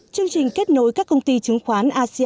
chương trình kết nối các công ty chứng khoán asean